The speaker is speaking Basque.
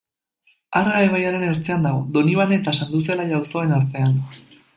Arga ibaiaren ertzean dago, Donibane eta Sanduzelai auzoen artean.